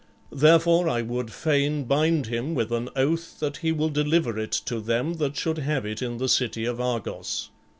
Therefore I would fain bind him with an oath that he will deliver it to them that should have it in the city of Argos."